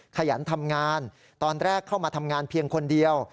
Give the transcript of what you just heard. ขยันทำงานตอนแรกเข้ามาทำงานเพียงคนเดียว